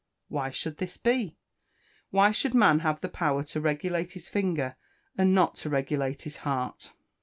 Why should this be? Why should man have the power to regulate his finger, and not to regulate his heart?